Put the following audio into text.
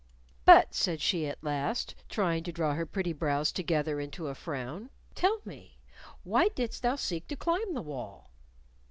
"But," said she at last, trying to draw her pretty brows together into a frown, "tell me; why didst thou seek to climb the wall?"